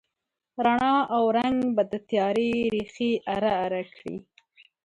رڼا او رنګ به د تیارې ریښې اره، اره کړي